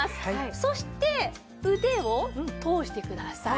そして腕を通してください。